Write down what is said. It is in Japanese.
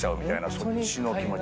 そっちの気持ち。